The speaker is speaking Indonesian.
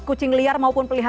kucing liar maupun pelihara